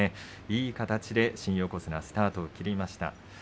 いい形で新横綱、スタートを切りました。